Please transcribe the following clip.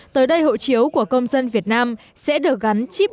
tới đây hộ chiếu của công dân việt nam sẽ được gắn chip điện tử